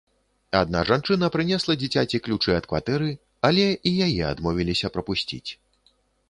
Адна жанчына прынесла дзіцяці ключы ад кватэры, але і яе адмовіліся прапусціць.